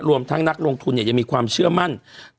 รวมทั้งนักลงทุนยังมีความเชื่อมั่น